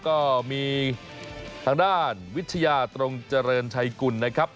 ก็มีทางด้านวิทยาตรงเจริญชัยกุลนะครับ